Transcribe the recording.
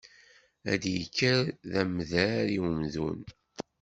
Ad k-yerr d amder i umdun.